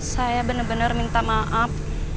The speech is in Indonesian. saya benar benar minta maaf